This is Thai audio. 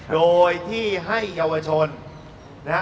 โดยที่ให้เยาวชน